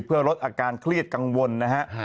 เพื่อลดอาการเครียดกังวลนะฮะ